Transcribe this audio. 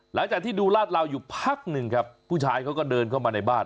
หลังจากที่ดูลาดลาวอยู่พักหนึ่งครับผู้ชายเขาก็เดินเข้ามาในบ้าน